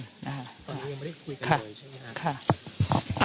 ตอนนี้ยังไม่ได้คุยกันเลยใช่ไหมครับ